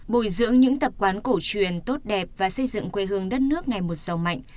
bồi dưỡng những tập quán cổ truyền tốt đẹp và xây dựng quê hương đất nước ngày một giàu mạnh